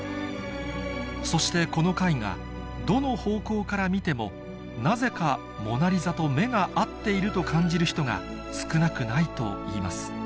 そしてこの絵画どの方向から見てもなぜかモナ・リザと目が合っていると感じる人が少なくないといいます